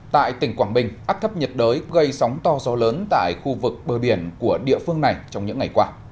tại tỉnh quảng bình áp thấp nhiệt đới gây sóng to gió lớn tại khu vực bờ biển của địa phương này trong những ngày qua